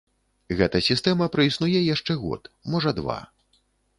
Гэта сістэма праіснуе яшчэ год, можа два.